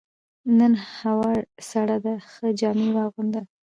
نن هوا سړه ده، ښه جامې واغونده.